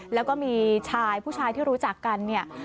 แล้วก็มีผู้ชายที่รู้จักกัน